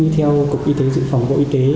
theo cục y tế dự phòng bộ y tế